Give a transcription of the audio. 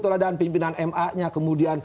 peradaan pimpinan m a nya kemudian